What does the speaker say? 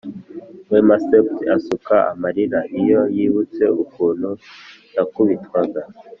Wema sepetu asuka amarira iyo yibutse ukuntu yakubitwaga